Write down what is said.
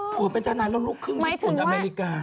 ผัวเป็นทนายแล้วลุกครึ่งอเมริกา